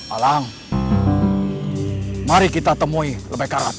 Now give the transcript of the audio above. alang mari kita temui lebak karat